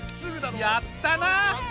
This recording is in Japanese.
やったな！